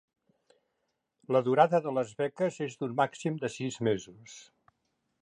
La durada de les beques és d'un màxim de sis mesos.